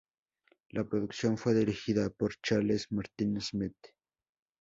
La producción fue dirigida por Charles Martin Smith.